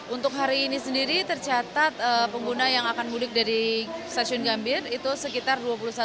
untuk hari ini sendiri tercatat pengguna yang akan mudik dari stasiun gambir itu sekitar dua puluh satu